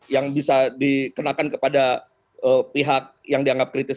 yang bisa dikenakan kepada pihak yang dianggap kritis